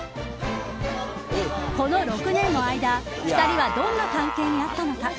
この６年の間２人はどんな関係にあったのか。